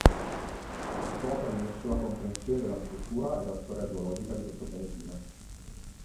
Ciò ha permesso la comprensione della struttura e della storia geologica di questo pianetino.